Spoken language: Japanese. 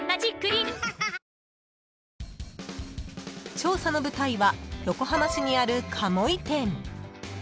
［調査の舞台は横浜市にある鴨居店］